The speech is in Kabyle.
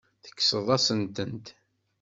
Tekkseḍ-asent-tent.